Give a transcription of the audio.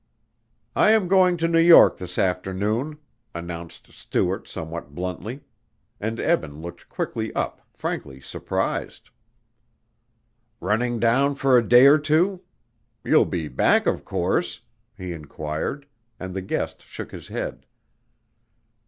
"I am going to New York this afternoon," announced Stuart somewhat bluntly, and Eben looked quickly up, frankly surprised. "Running down for a day or two? You'll be back, of course?" he inquired, and the guest shook his head.